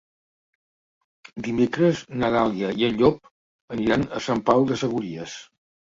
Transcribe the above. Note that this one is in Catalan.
Dimecres na Dàlia i en Llop aniran a Sant Pau de Segúries.